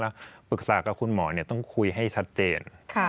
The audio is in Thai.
แล้วปรึกษากับคุณหมอต้องคุยให้ชัดเจน